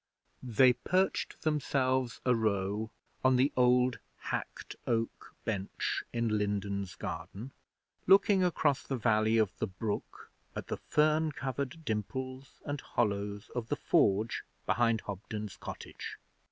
They perched themselves arow on the old hacked oak bench in Lindens garden, looking across the valley of the brook at the fern covered dimples and hollows of the Forge behind Hobden's cottage.